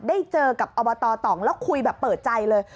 ได้เจอกับอบตตองแล้วคุยแบบเปิดใจเลย